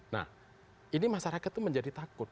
nah ini masyarakat itu menjadi takut